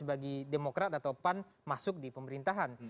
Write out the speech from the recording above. bagi demokrat atau pan masuk di pemerintahan